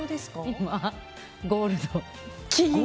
今、ゴールド。